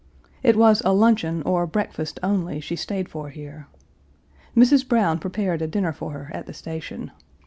It was a luncheon or breakfast only she stayed for here. Mrs. Brown prepared a dinner for her at the station.